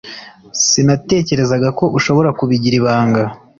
Sinatekerezaga ko ushobora kubigira ibanga.